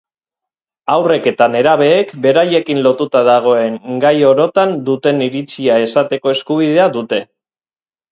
Haurrek eta nerabeek beraiekin lotuta dagoen gai orotan duten iritzia esateko eskubidea dute.